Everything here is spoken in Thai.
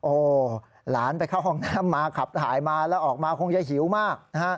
โอ้โหหลานไปเข้าห้องน้ำมาขับถ่ายมาแล้วออกมาคงจะหิวมากนะฮะ